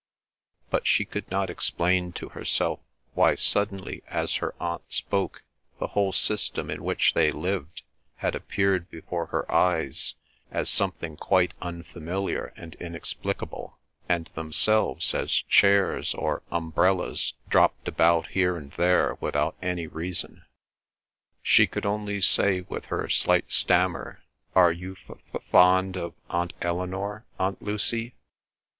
But she could not explain to herself why suddenly as her aunt spoke the whole system in which they lived had appeared before her eyes as something quite unfamiliar and inexplicable, and themselves as chairs or umbrellas dropped about here and there without any reason. She could only say with her slight stammer, "Are you f f fond of Aunt Eleanor, Aunt Lucy?"